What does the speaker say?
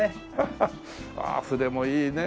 ああ筆もいいね